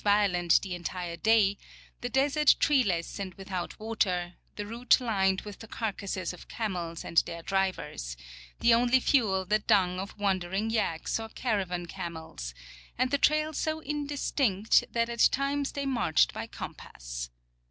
violent the entire day, the desert treeless and without water, the route lined with the carcasses of camels and their drivers, the only fuel the dung of ^^^andering yaks or caravan camels, and the trail so indistinct that at times the}" marched by compass.